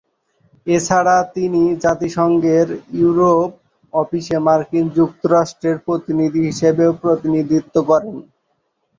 এছাড়া তিনি জাতিসংঘের ইউরোপ অফিসে মার্কিন যুক্তরাষ্ট্রের প্রতিনিধি হিসেবেও প্রতিনিধিত্ব করেন।